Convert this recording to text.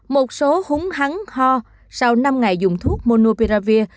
một số húng hắn ho sau năm ngày dùng thuốc monopiravir